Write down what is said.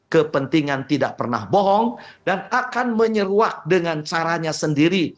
kepentingan tidak pernah bohong dan akan menyeruak dengan caranya sendiri